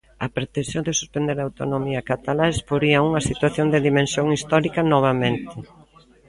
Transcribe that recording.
A pretensión de suspender a autonomía catalá exporía unha situación de dimensión histórica novamente.